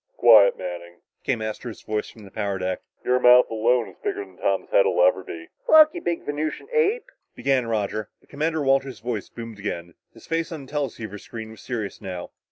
"Quiet, Manning," came Astro's voice from the power deck. "Your mouth alone is bigger than Tom's head'll ever be." "Look, you Venusian ape " began Roger, but Commander Walters' voice boomed out again. His face on the teleceiver screen was serious now.